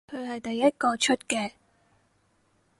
佢係第一個出嘅